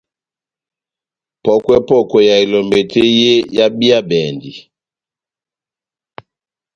Pɔ́kwɛ-pɔ́kwɛ ya elɔmbɛ tɛ́h yé ehábíyabɛndi.